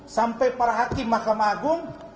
sampai para hakim mahkamah agung